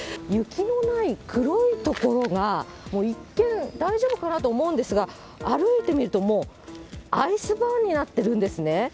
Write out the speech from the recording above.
雪のない黒い所が、一見、大丈夫かなと思うんですが、歩いてみると、もうアイスバーンになってるんですね。